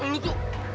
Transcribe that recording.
wah ini tuh